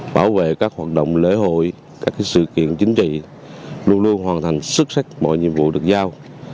bảo vệ các hoạt động lễ hội các sự kiện chính trị luôn luôn hoàn thành xuất sắc mọi nhiệm vụ được giao